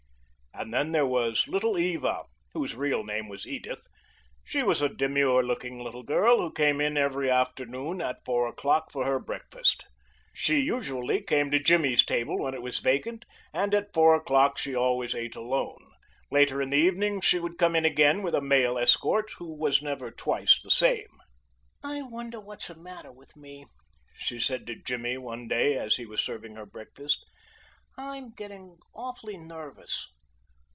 And then there was Little Eva, whose real name was Edith. She was a demure looking little girl, who came in every afternoon at four o'clock for her breakfast. She usually came to Jimmy's table when it was vacant, and at four o'clock she always ate alone. Later in the evening she would come in again with a male escort, who was never twice the same. "I wonder what's the matter with me?" she said to Jimmy one day as he was serving her breakfast. "I'm getting awfully nervous."